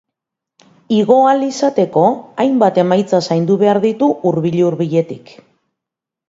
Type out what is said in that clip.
Igo ahal izateko, hainbat emaitza zaindu behar ditu hurbil-hurbiletik.